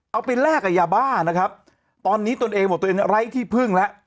แลกกับยาบ้านะครับตอนนี้ตนเองบอกตัวเองไร้ที่พึ่งแล้ว